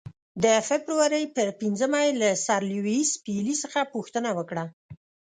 د فبرورۍ پر پنځمه یې له سر لیویس پیلي څخه پوښتنه وکړه.